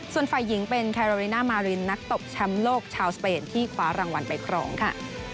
ส่วนฝ่ายหญิงเป็นแคโรริน่ามารินนักตบแชมป์โลกชาวสเปนที่คว้ารางวัลไปครองค่ะ